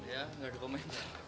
ya gak ada komen